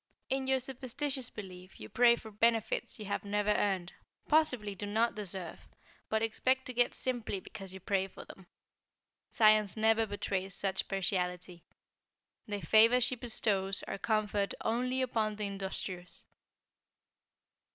In your superstitious belief you pray for benefits you have never earned, possibly do not deserve, but expect to get simply because you pray for them. Science never betrays such partiality. The favors she bestows are conferred only upon the industrious."